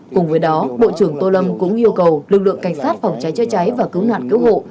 cùng với đó bộ trưởng tô lâm cũng yêu cầu lực lượng cảnh sát phòng cháy chữa cháy và cứu nạn cứu hộ